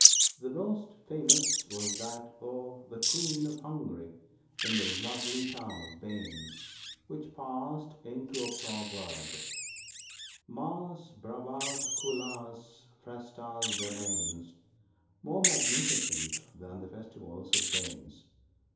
The most famous was that of the Queen of Hungary in the lovely town of Bains, which passed into a proverb, "Mas bravas que las festas de Bains" (more magnificent than the festivals of Bains).